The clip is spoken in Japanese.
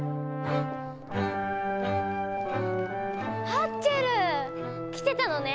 ハッチェル！来てたのね！